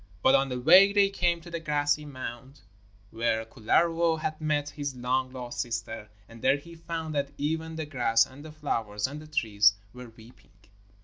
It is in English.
But on the way they came to the grassy mound where Kullervo had met his long lost sister, and there he found that even the grass and the flowers and the trees were weeping.